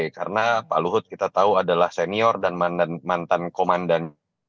karena pak luhut kita tahu adalah senior dan mantan komandan